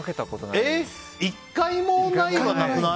１回もないはなくない？